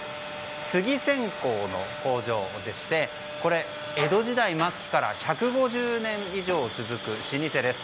杉線香の工場でして江戸時代末期から１５０年以上続く老舗です。